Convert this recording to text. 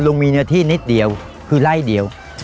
มีเนื้อที่นิดเดียวคือไล่เดียว